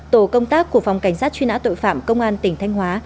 tổ công tác của phòng cảnh sát truy nã tội phạm công an tỉnh thanh hóa